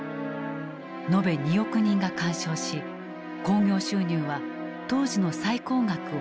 延べ２億人が鑑賞し興行収入は当時の最高額を記録した。